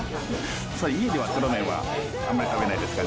家では袋麺はあんまり食べないですかね。